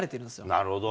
なるほど。